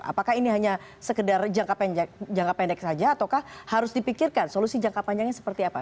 apakah ini hanya sekedar jangka pendek saja ataukah harus dipikirkan solusi jangka panjangnya seperti apa